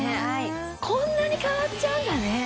こんなに変わっちゃうんだね。